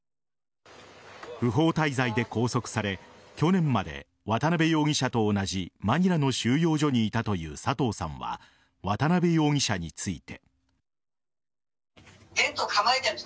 不法滞在で拘束され去年まで渡辺容疑者と同じマニラの収容所にいたという佐藤さんは渡辺容疑者について。